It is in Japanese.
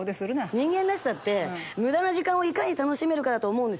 人間らしさって無駄な時間をいかに楽しめるかだと思うんですよ。